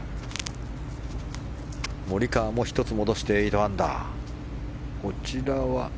モリカワも１つ戻して８アンダー。